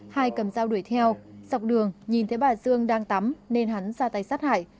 hai cầm dao đuổi theo dọc đường nhìn thấy bà dương đang tắm nên hắn ra tay sát hại